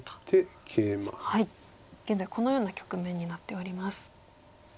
現在このような局面になっております。